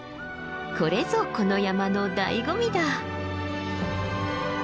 これぞこの山のだいご味だ。